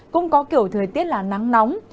cũng có kiểu thời tiết là nắng nóng